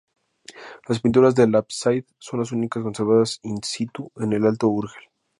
Las pinturas del ábside son las únicas conservadas "in situ" en el Alto Urgel.